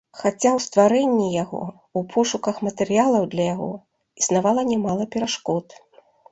Хаця ў стварэнні яго, у пошуках матэрыялаў для яго, існавала нямала перашкод.